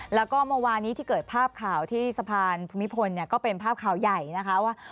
แล้วก็เมื่อวานี้ที่เกิดภาพข่าวที่สะพานภูมิพลเนี่ยก็เป็นภาพข่าวใหญ่นะคะว่า